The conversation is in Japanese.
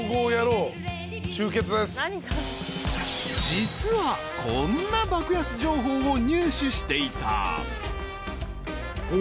［実はこんな爆安情報を入手していた］